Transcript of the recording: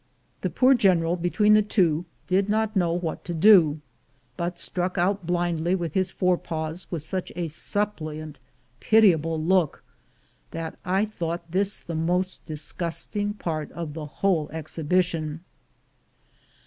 The poor General between the two did not know what to do, but struck out blindly with his fore paws with such a suppliant pitiable look that I thought this the most disgusting part of the whole exhibition.